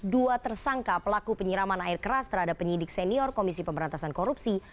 dua tersangka pelaku penyiraman air keras terhadap penyidik senior komisi pemberantasan korupsi